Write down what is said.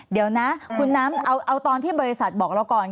เดี๋ยวนะคุณน้ำเอาตอนที่บริษัทบอกเราก่อน